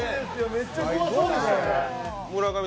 めちゃ怖そうでしたね。